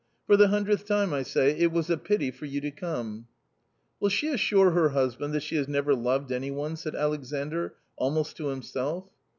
For the hundredth time I say, it was a pity for you to come !"" Will she assure her husband that she has never loved any one ?" said Alexandr almost to himself.